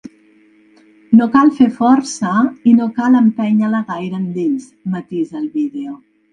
“No cal fer força, i no cal empènyer-la gaire endins”, matisa el vídeo.